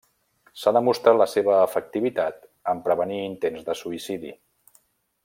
S'ha demostrat la seva efectivitat en prevenir intents de suïcidi.